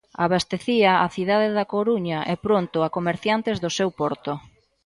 Abastecía á cidade da Coruña e pronto a comerciantes do seu porto.